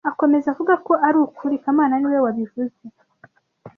Akomeza avuga ko ari ukuri kamana niwe wabivuze